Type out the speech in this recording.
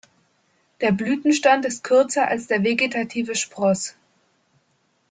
Der Blütenstand ist kürzer als der vegetative Spross.